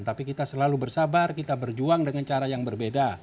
tapi kita selalu bersabar kita berjuang dengan cara yang berbeda